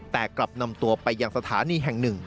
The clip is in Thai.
แต่กลับนำตัวไปยังสถานีแห่งหนึ่ง